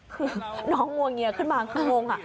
คือน้องงวงเงียขึ้นมาคืองง